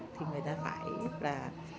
thì người ta phải là